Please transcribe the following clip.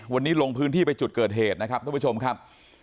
วันนี้ลงพื้นที่ไปจุดเกิดเหตุนะครับท่านผู้ชมครับ